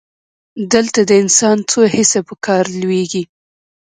دلته د انسان څو حسه په کار لویږي.